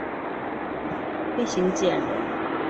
裴行俭人。